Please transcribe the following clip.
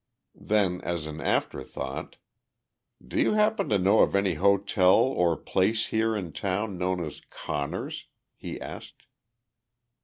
Then, as an after thought, "Do you happen to know of any hotel or place here in town known as 'Conner's'?" he asked.